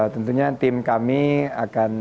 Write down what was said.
tentunya tim kami akan